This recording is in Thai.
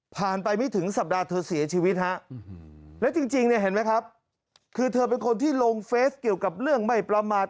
ไปไม่ถึงสัปดาห์เธอเสียชีวิตฮะแล้วจริงเนี่ยเห็นไหมครับคือเธอเป็นคนที่ลงเฟสเกี่ยวกับเรื่องไม่ประมาท